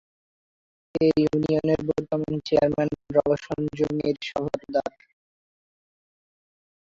এ ইউনিয়নের বর্তমান চেয়ারম্যান রওশন জমির সর্দার।